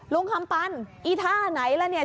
ลุงคำปันอีท่าไหนล่ะเนี่ย